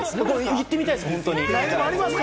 行ってみたいです。